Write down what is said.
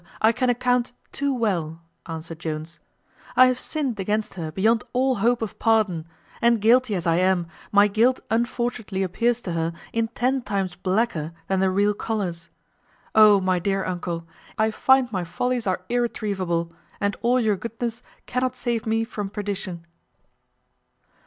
I can account too well," answered Jones; "I have sinned against her beyond all hope of pardon; and guilty as I am, my guilt unfortunately appears to her in ten times blacker than the real colours. O, my dear uncle! I find my follies are irretrievable; and all your goodness cannot save me from perdition."